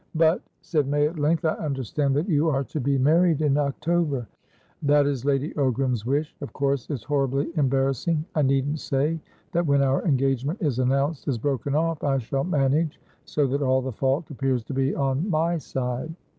"But," said May at length, "I understand that you are to be married in October." "That is Lady Ogram's wish. Of course it's horribly embarrassing. I needn't say that when our engagement is announced as broken off, I shall manage so that all the fault appears to be on my side.